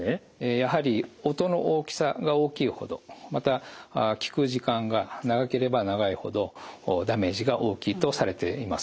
やはり音の大きさが大きいほどまた聴く時間が長ければ長いほどダメージが大きいとされています。